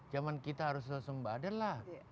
zaman kita harus suasembada lah